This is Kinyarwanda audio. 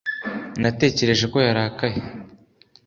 natekereje ko yarakaye